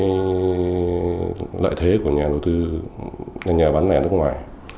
đó là những lợi thế của nhà đầu tư nhà bán lẻ nước ngoài